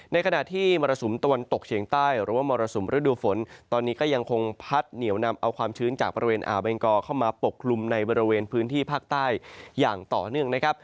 ในขณะที่มรสุมตะวันตกเฉียงใต้หรือว่ามรสุมฤดูฝนตอนนี้ก็ยังคงพัดเหนียวนำเอาความชื้นจากบริเวณอ่าวเบงกอเข้ามาปกคลุมในบริเวณพื้นที่ภาคใต้อย่างต่อเนื่องนะครับ